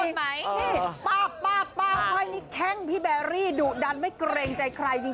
เดี๋ยวไว้นิแค่งพี่แบริดุดันไม่กเร็งใจใครจริง